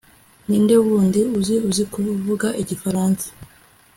Ninde wundi uzi uzi kuvuga igifaransa